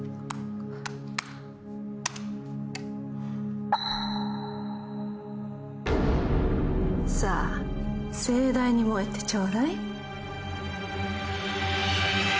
サントリー「翠」さあ盛大に燃えてちょうだい。